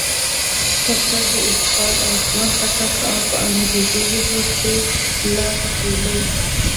ډاکټر اقبال، اجمل خټک او پۀ انګريزي ژبه کښې لانګ فيلو